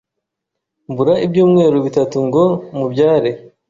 mbura ibyumweru bitatu ngo mubyare